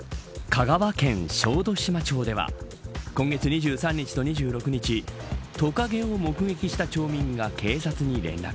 香川県小豆島町では今月２３日と２６日トカゲを目撃した町民が警察に連絡。